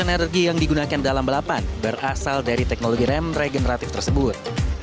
energi yang digunakan dalam balapan berasal dari teknologi rem regeneratif tersebut